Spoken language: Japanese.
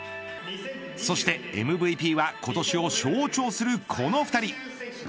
そしてＭＶＰは今年を象徴するこの２人。